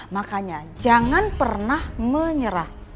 makanya jangan pernah menyerah